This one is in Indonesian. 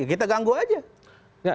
kita ganggu saja